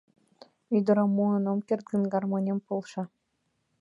— Ӱдырым муын ом керт гын, гармонем полша!